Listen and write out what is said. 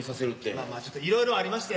まあまあちょっといろいろありまして。